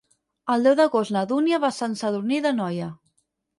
El deu d'agost na Dúnia va a Sant Sadurní d'Anoia.